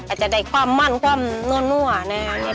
ก็จะได้ความมั่นความนั่วแน่